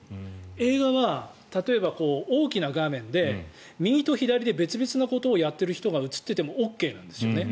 映画は例えば大きな画面で右と左で別々のことをやっている人が映っていてもＯＫなんですね。